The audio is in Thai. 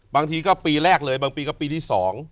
บางทีก็ปีแรกเลยบางปีก็ปีที่๒